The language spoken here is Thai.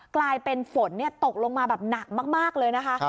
กลายเป็นฝนตกลงมาแบบหนักมากเลยนะคะ